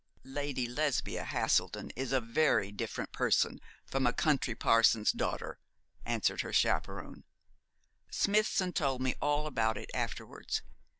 'Lady Lesbia Haselden is a very different person from a country parson's daughter,' answered her chaperon; 'Smithson told me all about it afterwards.